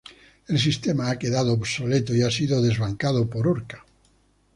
El sistema ha quedado obsoleto y ha sido desbancado por orca.